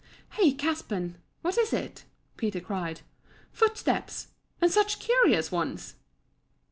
"Hey, Caspan, what is it?" Peter cried. "Footsteps! And such curious ones!"